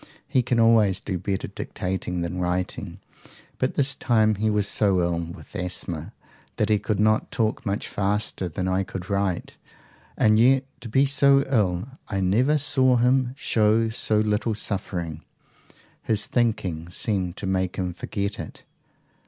He can always do better dictating than writing, but this time he was so ill with asthma that he could not talk much faster than I could write; and yet to be so ill I never saw him show so little suffering; his thinking seemed to make him forget it.